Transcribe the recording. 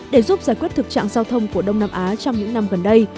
để giúp giải quyết thực trạng giao thông của đông nam á trong những năm gần đây